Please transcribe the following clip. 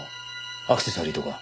アクセサリーとか？